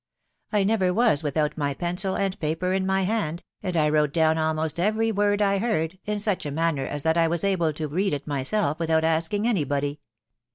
I never was without my pencil and paper in my hand, and I wrote down almost every word I heard, in such a manner as that I was always able to read it myself, without asking any body.